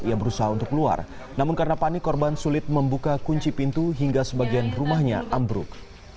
ia berusaha untuk keluar namun karena panik korban sulit membuka kunci pintu hingga sebagian rumahnya ambruk